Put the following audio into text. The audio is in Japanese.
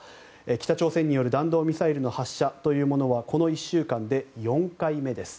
北朝鮮による弾道ミサイルの発射は、この１週間で４回目です。